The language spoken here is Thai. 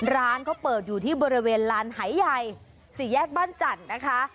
ร้านเขาเปิดอยู่ที่บริเวณลานหายใหญ่สี่แยกบ้านจันทร์นะคะ